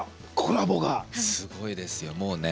すごいですよ、もうね。